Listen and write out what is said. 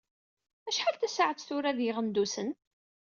Acḥal tasaɛett tura di Iɣendusen?